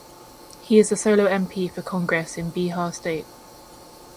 He is the solo mp for congress in bihar state.